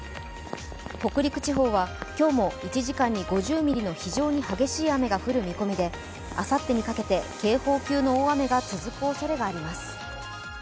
北陸地方は今日も１時間に５０ミリの非常に激しい雨が降る見込みで、あさってにかけて警報級の大雨が続くおそれがあります。